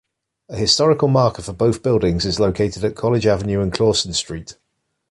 A historical marker for both buildings is located at College Avenue and Clawson Street.